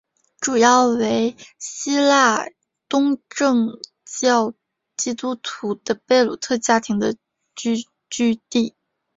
主要为希腊东正教基督徒的贝鲁特家庭的聚居地。